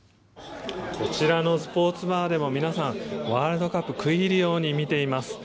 こちらのスポーツバーでも皆さん、ワールドカップを食い入るように見ています。